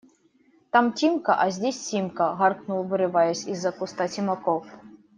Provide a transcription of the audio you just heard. – Там Тимка, а здесь Симка! – гаркнул, вырываясь из-за куста, Симаков.